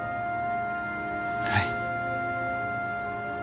はい。